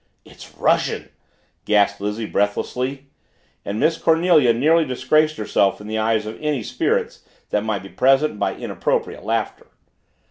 "It's Russian!" gasped Lizzie breathlessly and Miss Cornelia nearly disgraced herself in the eyes of any spirits that might be present by inappropriate laughter.